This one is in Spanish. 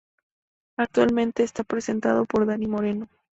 Actualmente está presentado por Dani Moreno.